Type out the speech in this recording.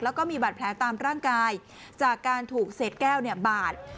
แล้วก็มีบาดแผลตามร่างกายจากการถูกเศษแก้วบาด